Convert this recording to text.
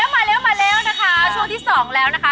มาแล้วนะคะช่วงที่๒แล้วนะคะ